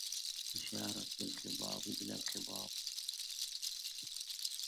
أشارت بالخضاب إلى الخضاب